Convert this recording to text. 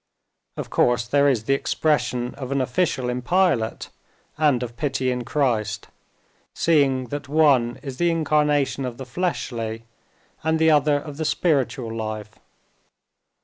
Of course there is the expression of an official in Pilate and of pity in Christ, seeing that one is the incarnation of the fleshly and the other of the spiritual life.